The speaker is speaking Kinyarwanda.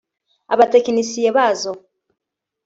abatekinisiye bazo